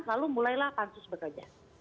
lalu mulailah pansus bekerja